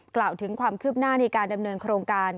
กล่าวถึงความคืบหน้าในการดำเนินโครงการ